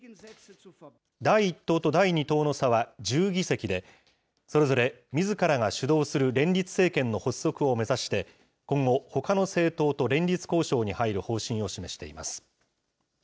第１党と第２党の差は１０議席で、それぞれ、みずからが主導する連立政権の発足を目指して、今後、ほかの政党と連立交渉に入る方針を示しています。